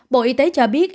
bộ y tế cho biết